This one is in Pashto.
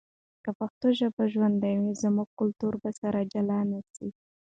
که پښتو ژبه ژوندی وي، نو زموږ کلتور به سره جلا نه سي.